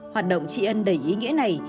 hoạt động trị ân đầy ý nghĩa này